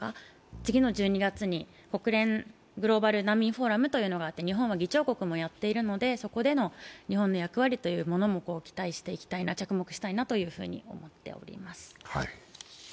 次の１２月に国連グローバル難民フォーラムというのがあって日本は議長国もやっているので、そこでの日本の役割にも期待していきたい、着目したいと思っております。